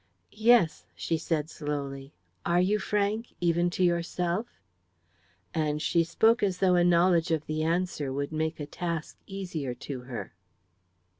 "Yes," she said slowly; "are you frank, even to yourself?" and she spoke as though a knowledge of the answer would make a task easier to her.